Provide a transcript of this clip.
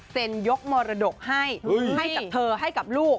แสดงยกมรดกให้เธอให้กับลูก